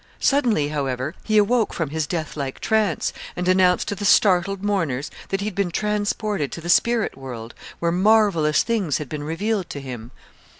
Suddenly, however, he awoke from his deathlike trance, and announced to the startled mourners that he had been transported to the spirit world, where marvellous things had been revealed to him.